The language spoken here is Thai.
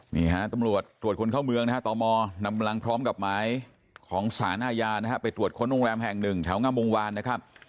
นี่ฮะตำรวจตรวจคนเข้าเมืองนะฮะตมนำกำลังพร้อมกับหมายของสารอาญานะฮะไปตรวจค้นโรงแรมแห่งหนึ่งแถวงามวงวานนะครับ